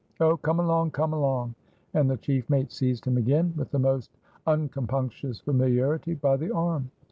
"Oh! come along, come along," and the chief mate seized him again with the most uncompunctious familiarity by the arm.